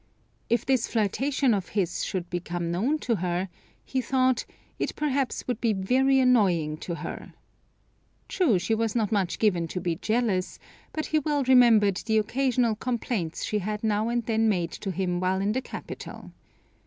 If this flirtation of his should become known to her, he thought, it perhaps would be very annoying to her. True, she was not much given to be jealous, but he well remembered the occasional complaints she had now and then made to him while in the capital.